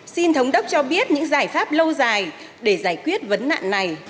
xin thống đốc cho biết những giải pháp lâu dài để giải quyết vấn nạn này